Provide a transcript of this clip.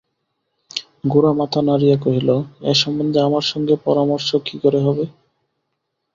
গোরা মাথা নাড়িয়া কহিল, এ সম্বন্ধে আমার সঙ্গে পরামর্শ কী করে হবে!